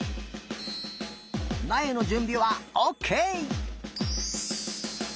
なえのじゅんびはオッケー！